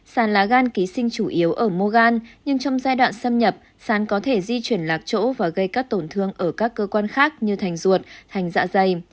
sàn lá gan ký sinh chủ yếu ở mogal nhưng trong giai đoạn xâm nhập sán có thể di chuyển lạc chỗ và gây các tổn thương ở các cơ quan khác như thành ruột thành dạ dày